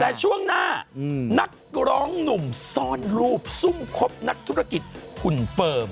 แต่ช่วงหน้านักร้องหนุ่มซ่อนรูปซุ่มครบนักธุรกิจหุ่นเฟิร์ม